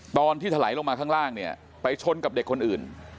ตอนที่ถลายลงมาข้างล่างไปชนกับเด็กคนอื่น